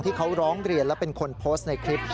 ที่เขาร้องเรียนและเป็นคนโพสต์ในคลิป